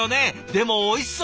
でもおいしそう。